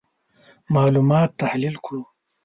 معلومات تحلیل کړو.